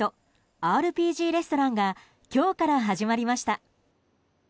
ＲＰＧレストランが今日から始まりました。